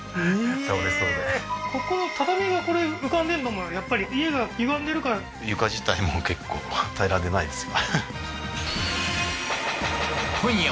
倒れそうでここ畳がこれ浮かんでんのもやっぱり家がゆがんでるから床自体も結構平らでないですよ